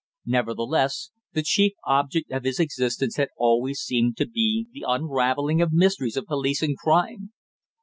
Nevertheless, the chief object of his existence had always seemed to be the unravelling of mysteries of police and crime.